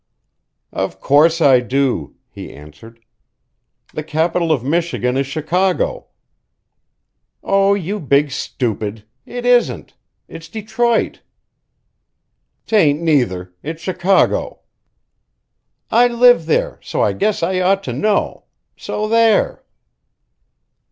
"Of course I do," he answered. "The capital of Michigan is Chicago." "Oh, you big stupid! It isn't. It's Detroit." "'Tain't neither. It's Chicago." "I live there so I guess I ought to know. So there!"